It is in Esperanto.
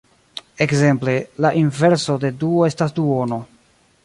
Ekzemple: La inverso de du estas duono.